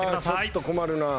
ちょっと困るなあ。